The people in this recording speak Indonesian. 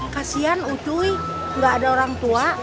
kasian ucuy gak ada orang tua